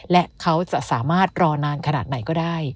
และเขาจะสามารถรอนานขนาดไหนก็ได้